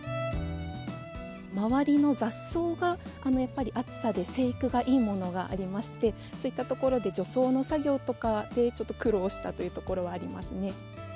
周りの雑草がやっぱり暑さで生育がいいものがありまして、そういったところで、除草の作業とかで、ちょっと苦労したというところはありますね。